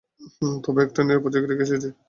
ওকে একটা নিরাপদ জায়গায় রেখে এসেছি।